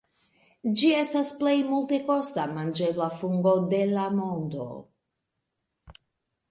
Ĝi estas plej multekosta manĝebla fungo de la mondo.